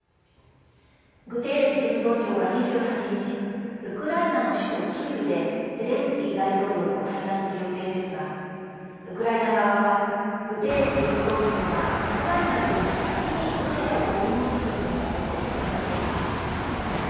グテーレス事務総長は２８日ウクライナの首都キーウでゼレンスキー大統領と会談する予定ですがウクライナ側はグテーレス事務総長がウクライナよりも先にロシアを訪問すると決めたことを批判しています。